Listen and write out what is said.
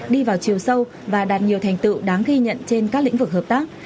đi vào chiều sâu và đạt nhiều thành tựu đáng ghi nhận trên các lĩnh vực hợp tác